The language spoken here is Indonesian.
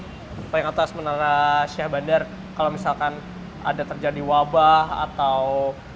bendera paling atas nih paling atas menara syah bandar kalau misalkan ada terjadi wabah atau